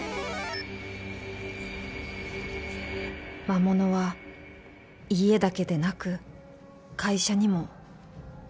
魔物は家だけでなく会社にもどこにも。